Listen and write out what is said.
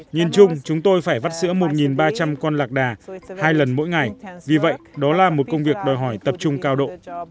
nhìn chung chúng tôi phải vắt sữa một ba trăm linh con lạc đà hai lần mỗi ngày vì vậy đó là một công việc đòi hỏi tập trung cao độ